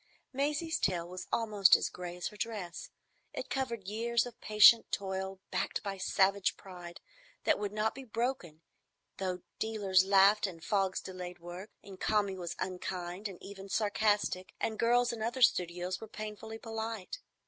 Maisie's tale was almost as gray as her dress. It covered years of patient toil backed by savage pride that would not be broken though dealers laughed, and fogs delayed work, and Kami was unkind and even sarcastic, and girls in other studios were painfully polite.